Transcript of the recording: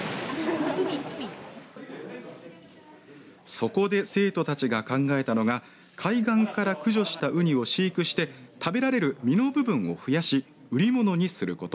そこで生徒たちが考えたのが海岸から駆除したうにを飼育して食べられる身の部分を増やし売り物にすること。